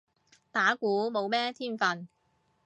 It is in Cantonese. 打鼓冇咩天份